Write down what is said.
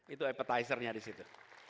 itu appetizernya disitu